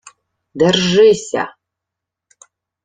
— Держися!..